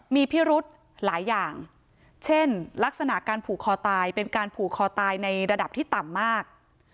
มีพิรุธหลายอย่างเช่นลักษณะการผูกคอตายเป็นการผูกคอตายในระดับที่ต่ำมาก